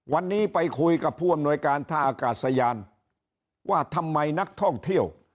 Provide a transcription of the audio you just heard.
วันนี้ไปคุยกับผู้อำนวยการท่าอากาศยานว่าทำไมนักท่องเที่ยว